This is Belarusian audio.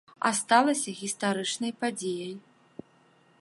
А сталася гістарычнай падзеяй.